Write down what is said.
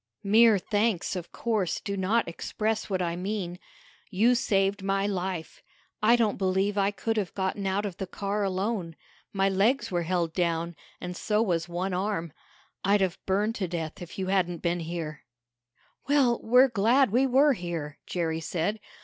"Mere thanks, of course, do not express what I mean. You saved my life. I don't believe I could have gotten out of the car alone. My legs were held down, and so was one arm. I'd have burned to death if you hadn't been here." "Well, we're glad we were here," Jerry said.